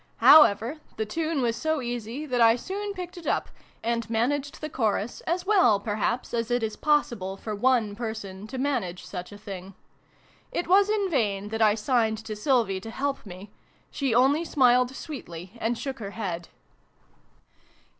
However, the tune was so easy that I 14 SYLVIE AND BRUNO CONCLUDED. soon picked it up, and managed the chorus as well, perhaps, as it is possible for one person to manage such a thing. It was in vain that I signed to Sylvie to help me : she only smiled sweetly and shook her head.